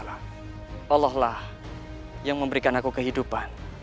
allah lah yang memberikan aku kehidupan